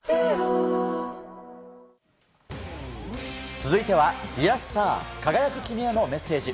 続いては、ディア・スター輝く君へのメッセージ。